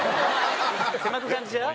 狭く感じちゃう？